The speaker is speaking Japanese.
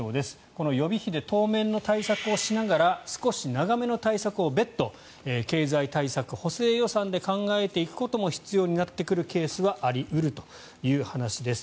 この予備費で当面の対策をしながら少し長めの対策を別途経済対策、補正予算で考えていくことも必要になってくるケースはあり得るという話です。